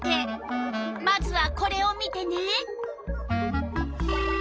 まずはこれを見てね。